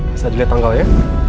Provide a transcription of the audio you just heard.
bisa diliat tanggal ya